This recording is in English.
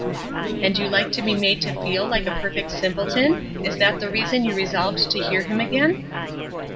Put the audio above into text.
"And you like to be made to feel like a 'perfect simpleton?' Is that the reason you resolved to hear him again?"